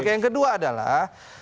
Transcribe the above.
yang kedua adalah